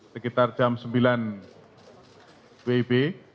sekitar jam sembilan wib